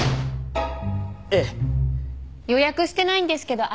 ええ。予約してないんですけど空いてますか？